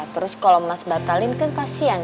terus kalau mas batalin kan pasien